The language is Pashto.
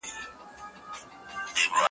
ما ویل چي به ډوبيږي جاله وان او جاله دواړه ,